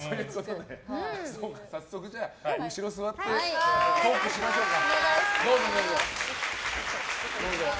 早速、後ろ座ってトークしましょうか。